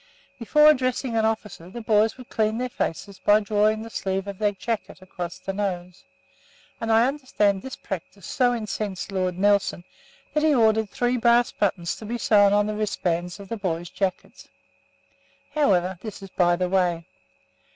Before addressing an officer the boys would clean their faces by drawing the sleeve of their jacket across the nose; and, I understand that this practice so incensed Lord Nelson that he ordered three brass buttons to be sewn on the wristbands of the boys' jackets. However, this is by the way.